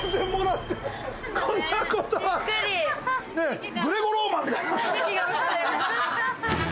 こんなことある？